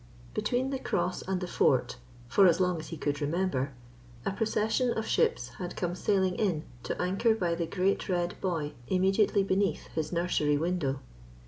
Between the cross and the fort, for as long as he could remember, a procession of ships had come sailing in to anchor by the great red buoy immediately beneath his nursery window.